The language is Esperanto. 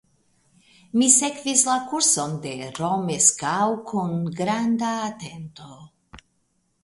Mi sekvis la kurson de Romeskaŭ kun granda atento.